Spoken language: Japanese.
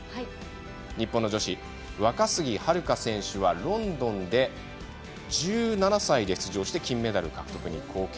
日本の女子、若杉遥選手はロンドンで１７歳で出場して金メダル獲得に貢献。